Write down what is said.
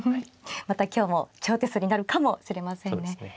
また今日も長手数になるかもしれませんね。